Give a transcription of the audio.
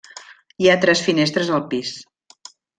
Hi ha tres finestres al pis.